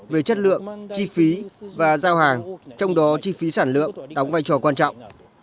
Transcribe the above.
về chất lượng chi phí và giao hàng trong đó chi phí sản lượng đóng vai trò quan trọng